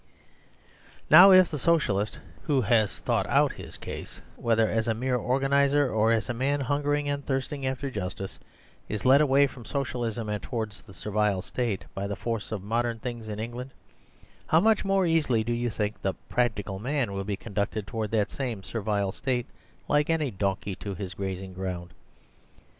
Now, if the Socialist who has thought out his case, whether as a mere organiser or as a man hungering THE SERVILE STATE and thirsting after justice, is led away from Socialism and towards the Servile State by the force of modern things in England, how much more easily do you not think the "Practical Man" will be conducted towards that same Servile State, like any donkey tohis grazing ground